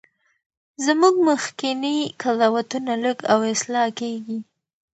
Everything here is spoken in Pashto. زموږ مخکني قضاوتونه لږ او اصلاح کیږي.